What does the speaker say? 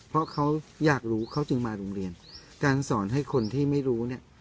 เพราะเขาอยากรู้เขาจึงมาโรงเรียนการสอนให้คนที่ไม่รู้เนี่ย